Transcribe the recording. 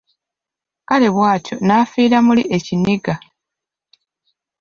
Kale bwatyo n’afiira muli ekiniga.